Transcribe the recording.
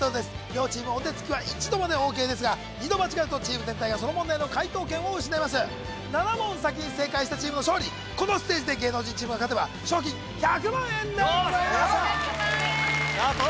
両チームお手付きは１度までＯＫですが２度間違えるとチーム全体がその問題の解答権を失います７問先に正解したチームの勝利このステージで芸能人チームが勝てば賞金１００万円でございますよーし！